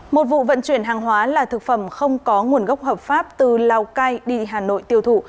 một vụ vận chuyển hàng hóa là thực phẩm không có nguồn gốc hợp pháp từ lào cai đi hà nội tiêu thụ